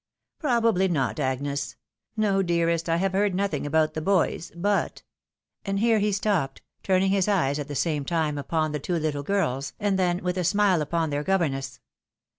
" Probably not, Agnes. No, dearest, I have heard nothing about the boys. But —" And here he stopped, turning his eyes at the same time upon the two little girls, and then with a smile upon their 96 THE WIDOW MAERIED. governess.